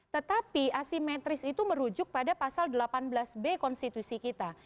tetapi asimetris itu merujuk pada pasal delapan belas b konstitusi kita